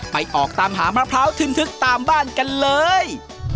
ออกตามหามะพร้าวทึนทึกตามบ้านกันเลย